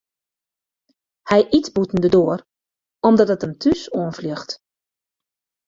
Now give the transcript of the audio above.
Hy yt bûten de doar omdat it him thús oanfljocht.